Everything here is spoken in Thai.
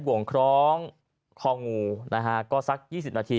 วงคร้องของงูษัก๒๐นาที